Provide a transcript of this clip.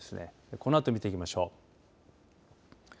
このあと、見ていきましょう。